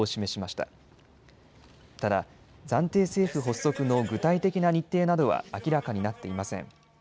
ただ、暫定政府発足の具体的な日程などは明らかになっていません。